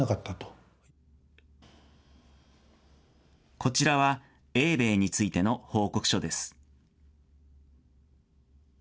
こちらは、英米についての報告書です。